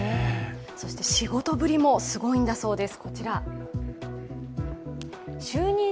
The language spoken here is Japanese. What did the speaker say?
そして仕事もぶりもすごいんだそうです。